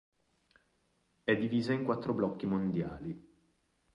È divisa in quattro blocchi mondiali.